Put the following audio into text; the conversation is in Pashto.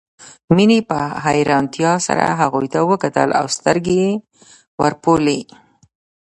مينې په حيرانتيا سره هغوی ته وکتل او سترګې يې ورپولې